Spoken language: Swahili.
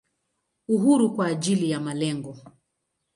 Uhuru kwa ajili ya malengo.